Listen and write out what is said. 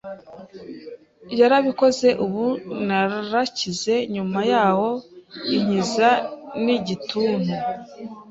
yarabikoze ubu narakize nyuma yaho inkiza n’igituntu